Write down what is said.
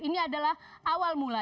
ini adalah awal mula